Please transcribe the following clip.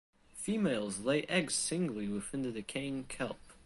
Females lay eggs singly within the decaying kelp.